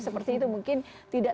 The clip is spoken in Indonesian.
seperti itu mungkin tidak